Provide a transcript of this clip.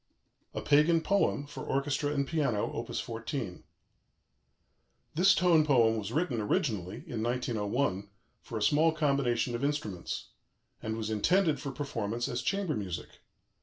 "A PAGAN POEM," FOR ORCHESTRA AND PIANO: Op. 14 This tone poem was written originally (in 1901) for a small combination of instruments, and was intended for performance as chamber music.